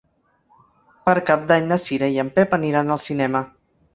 Per Cap d'Any na Cira i en Pep aniran al cinema.